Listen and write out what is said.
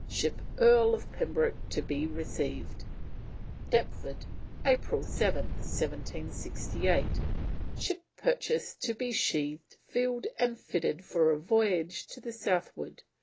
Ship Earl of Pembroke to be received." "Deptford, April 7th 1768. Ship purchased to be sheathed, filled, and fitted for a voyage to the southward.